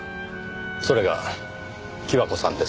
それが貴和子さんですか。